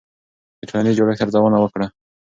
د ټولنیز جوړښت ارزونه وکړه.